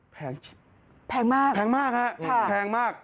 แพงมากแพงมากฮะแพงมาก